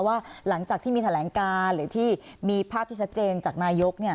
ว่าหลังจากที่มีแถลงการหรือที่มีภาพที่ชัดเจนจากนายก